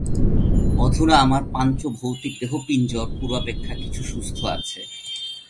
অধুনা আমার পাঞ্চভৌতিক দেহপিঞ্জর পূর্বাপেক্ষা কিছু সুস্থ আছে।